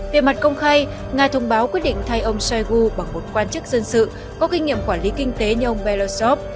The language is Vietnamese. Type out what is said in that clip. về mặt công khai nga thông báo quyết định thay ông shoigu bằng một quan chức dân sự có kinh nghiệm quản lý kinh tế như ông belarusov